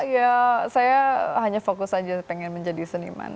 ya saya hanya fokus saja pengen menjadi seniman